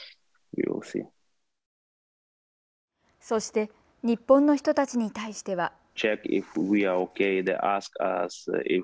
そして日本の人たちに対しては。